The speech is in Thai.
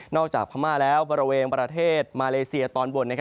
นอกจากพม่าแล้วประเทศมาเมสียตอนบน